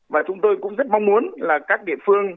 và chúng tôi cũng rất mong muốn là các địa phương